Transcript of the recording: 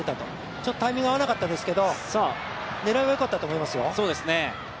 ちょっとタイミング合わなかったですけど、狙いは良かったと思いますよ。